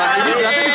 nah untuk apd dari